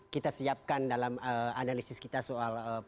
kita siapkan dalam analisis kita soal